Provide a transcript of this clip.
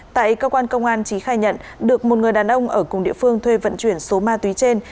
tại cơ quan công an trí khai nhận được một người đàn ông ở cùng địa phương thuê vận chuyển số ma túy trên